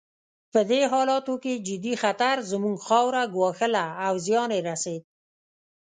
په دې حالاتو کې جدي خطر زموږ خاوره ګواښله او زیان یې رسېد.